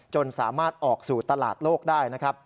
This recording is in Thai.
จนสามารถออกสู่ตลาดโลกได้